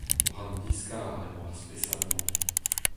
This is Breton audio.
War an diskar emañ ar spesad-mañ.